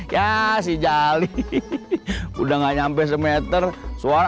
ya sih jali udah nggak nyampe semeter suara